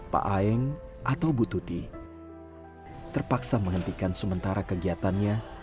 pak aeng atau bututi terpaksa menghentikan sementara kegiatannya